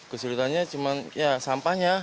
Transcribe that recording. kesulitannya cuma sampahnya